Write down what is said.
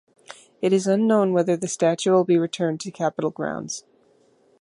It is unknown whether the statue will be returned to the Capitol grounds.